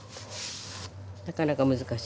なかなか難しい。